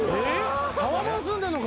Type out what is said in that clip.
タワマン住んでんのか。